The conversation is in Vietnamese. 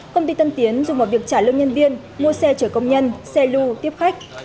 công ty tân tiến dùng vào việc trả lương nhân viên mua xe chở công nhân xe lưu tiếp khách